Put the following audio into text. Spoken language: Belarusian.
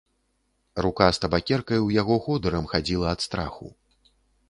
Рука з табакеркай у яго ходырам хадзіла ад страху.